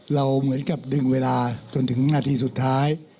เราเหมือนกับดึงเวลาจนถึงนาทีสุดท้าย